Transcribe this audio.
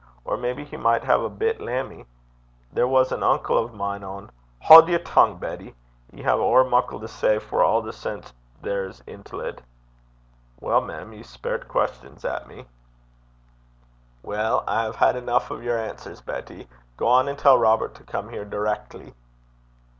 Or maybe he micht hae a bit lammie. There was an uncle o' min' ain ' 'Haud yer tongue, Betty! Ye hae ower muckle to say for a' the sense there's intil 't.' 'Weel, mem, ye speirt questions at me.' 'Weel, I hae had eneuch o' yer answers, Betty. Gang and tell Robert to come here direckly.'